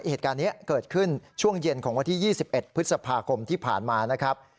เหตุการณ์นี้เกิดขึ้นช่วงเย็นของวันที่๒๑พฤษภาคมที่ผ่านมานะครับ